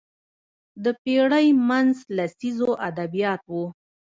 د پېړۍ منځ لسیزو ادبیات وو